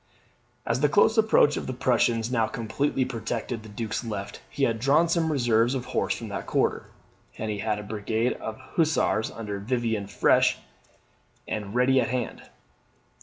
As the close approach of the Prussians now completely protected the Duke's left, he had drawn some reserves of horse from that quarter, and he had a brigade of Hussars under Vivian fresh and ready at hand.